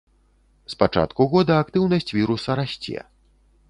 З пачатку года актыўнасць віруса расце.